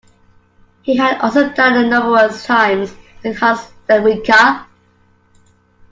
He had also dined numerous times with Hans Ledwinka.